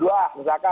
dikasah senang ya kan